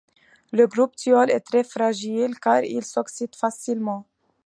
Le groupe thiol est très fragile car il s'oxyde facilement.